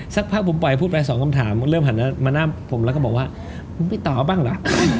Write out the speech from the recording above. สักพักผมปล่อยพูดแปลง๒คำถามเริ่มหันมาหน้าผมแล้วก็บอกว่า